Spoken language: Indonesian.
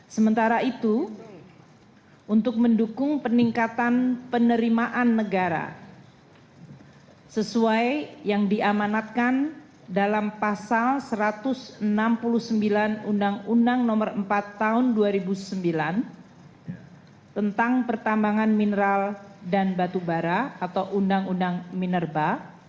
sementara itu untuk mendukung peningkatan penerimaan negara sesuai yang diamanatkan dalam pasal satu ratus enam puluh sembilan undang undang nomor empat tahun dua ribu sembilan tentang pertambangan mineral dan batubara atau undang undang minerba